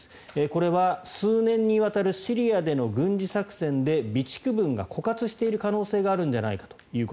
これは数年にわたるシリアでの軍事作戦で備蓄分が枯渇している可能性があるんじゃないかと。